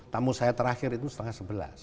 tamu saya terakhir itu setengah sebelas